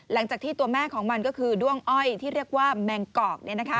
หลังจากที่ตัวแม่ของมันก็คือด้วงอ้อยที่เรียกว่าแมงกอก